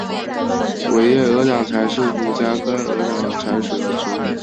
尾叶鹅掌柴是五加科鹅掌柴属的植物。